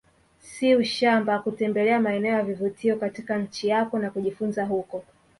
Si ushamba kutembelea maeneo ya vivutio katika nchi yako na kujifunza huko